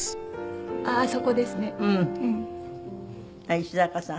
石坂さん？